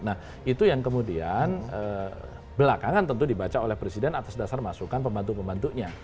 nah itu yang kemudian belakangan tentu dibaca oleh presiden atas dasar masukan pembantu pembantunya